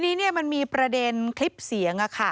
ทีนี้มันมีประเด็นคลิปเสียง